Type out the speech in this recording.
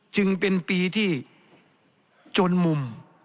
จึงเป็นปีที่จนมุม